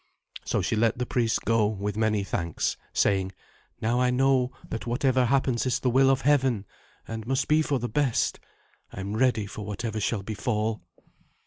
So she let the priest go, with many thanks, saying, "Now I know that whatever happens is the will of Heaven, and must be for the best. I am ready for whatever shall befall."